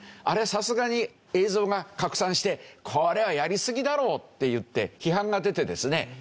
あれはさすがに映像が拡散してこれはやりすぎだろうっていって批判が出てですね。